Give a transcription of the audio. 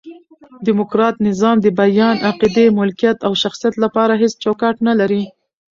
ډیموکرات نظام د بیان، عقیدې، ملکیت او شخصیت له پاره هيڅ چوکاټ نه لري.